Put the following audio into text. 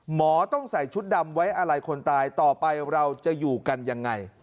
หมอต้องใส่ชุดดำไว้อะไรคนตายต่อไปเราจะอยู่กันยังไง